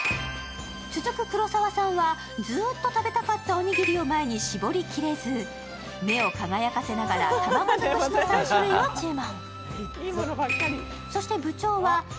続く黒沢さんは、ずっと食べたかったおにぎりを前に絞りきれず、目を輝かせながら卵づくしのの３種類を注文。